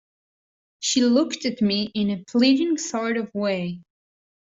She looked at me in a pleading sort of way.